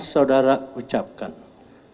saudara ucapkan mengandung tanggungjawab